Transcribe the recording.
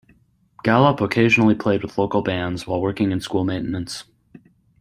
Gallup occasionally played with local bands, while working in school maintenance.